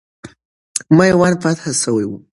میوند فتح سوی وو.